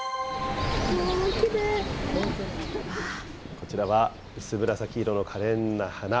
こちらは、薄紫色のかれんな花。